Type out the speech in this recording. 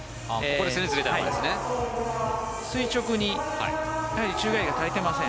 垂直に宙返りが足りてません。